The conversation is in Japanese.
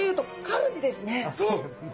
あっそうですね。